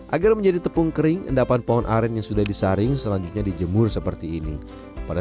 agar menjadi tepung kering endapan pohon aren yang sudah disaring selanjutnya dijemur seperti ini pada